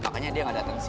makanya dia gak dateng si